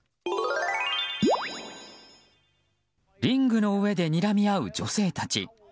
リングの上でにらみ合う女性たち。